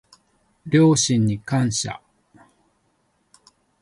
両親に感謝